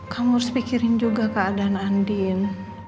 kamu harus pikirin juga keadaan andin